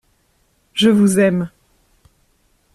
Je vous aime.